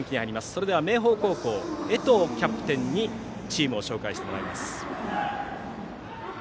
それでは明豊高校の江藤キャプテンにチームを紹介してもらいます。